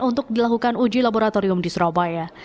untuk dilakukan uji laboratorium di surabaya